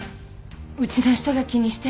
ウチの人が気にして。